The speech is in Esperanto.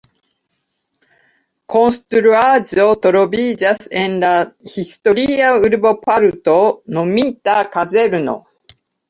Konstruaĵo troviĝas en la historia urboparto nomita "Kazerno".